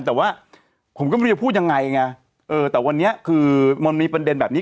แต่ว่าผมก็ไม่รู้จะพูดยังไงไงเออแต่วันนี้คือมันมีประเด็นแบบนี้